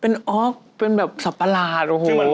เป็นออร์กเป็นแบบสับประหลาด